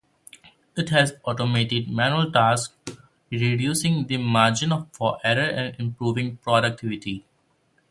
It has automated manual tasks, reducing the margin for error and improving productivity.